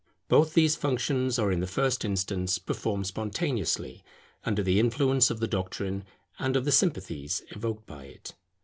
Both these functions are in the first instance performed spontaneously, under the influence of the doctrine and of the sympathies evoked by it.